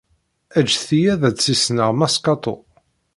Ǧǧet-iyi ad d-ssisneɣ Mass Kato.